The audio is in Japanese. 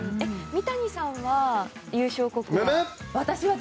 三谷さんは優勝候補は？